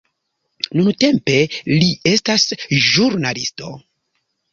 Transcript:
Nuntempe li estas ĵurnalisto.